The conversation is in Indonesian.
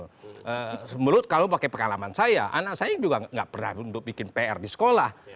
menurut kalau pakai pengalaman saya anak saya juga nggak pernah untuk bikin pr di sekolah